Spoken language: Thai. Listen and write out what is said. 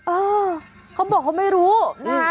เออเขาบอกเขาไม่รู้นะคะ